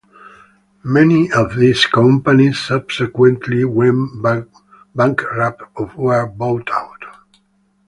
Many of these companies subsequently went bankrupt or were bought out.